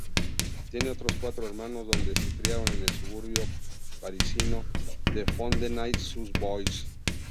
Tiene otros cuatro hermanos, donde se criaron en el suburbio parisino de Fontenay-sous-Bois.